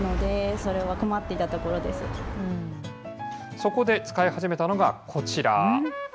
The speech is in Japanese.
そこで使い始めたのが、こちら。